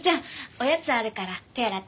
おやつあるから手洗ってらっしゃい。